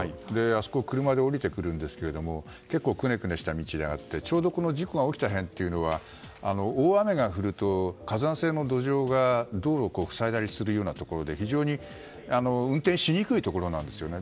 あそこ車で降りてくるんですけど結構くねくねした道でちょうど事故が起きた辺りは大雨が降ると火山性の土壌が道路を塞ぐようなところで非常に運転しにくいところなんですね。